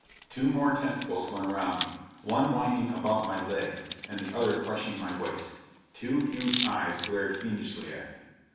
Two more tentacles went around me, one winding about my legs and the other crushing my waist. Two huge eyes glared fiendishly at me.